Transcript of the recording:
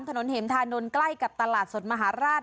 ถนนเหมธานนท์ใกล้กับตลาดสดมหาราช